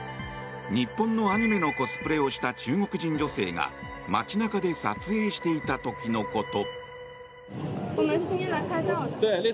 日本のアニメのコスプレをした中国人女性が街中で撮影していた時のこと。